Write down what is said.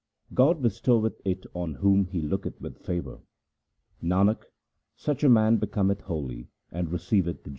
God bestoweth it on whom He looketh with favour : Nanak, such a man becometh holy and receiveth the jewel.